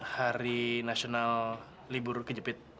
hari nasional libur kejepit